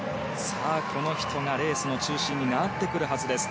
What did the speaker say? この人がレースの中心になってくるはずです。